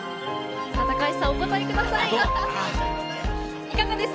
高橋さん、お答えください！